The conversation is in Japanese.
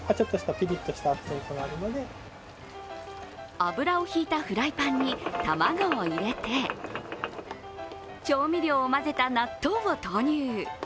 油を引いたフライパンに卵を入れて、調味料を混ぜた納豆を投入。